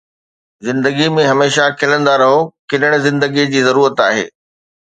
زندگي ۾ هميشه کلندا رهو، کلڻ زندگيءَ جي ضرورت آهي